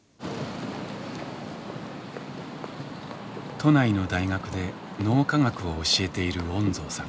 都内の大学で脳科学を教えている恩蔵さん。